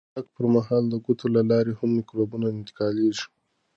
د خوراک پر مهال د ګوتو له لارې هم مکروبونه انتقالېږي.